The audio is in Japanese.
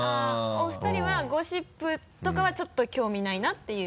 お二人はゴシップとかはちょっと興味ないなっていう。